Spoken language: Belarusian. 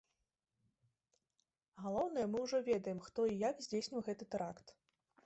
Галоўнае, мы ўжо ведаем, хто і як здзейсніў гэты тэракт.